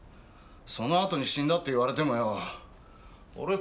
そのあとに死んだって言われてもよ俺困るよ！